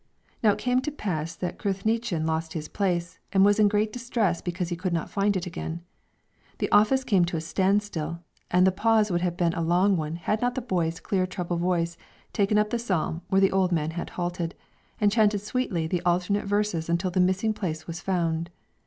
Now it came to pass that Cruithnechan lost his place, and was in great distress because he could not find it again. The office came to a standstill, and the pause would have been a long one had not the boy's clear treble voice taken up the psalm Where the old man had halted, and chanted sweetly the alternate verses until the missing place was found.